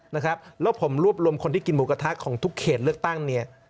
แล้วผมรวบรวมคนที่กินหมูกระทะของทุกเขตเลือกตั้ง